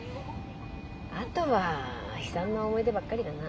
あとは悲惨な思い出ばっかりだな。